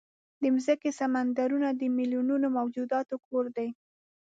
د مځکې سمندرونه د میلیونونو موجوداتو کور دی.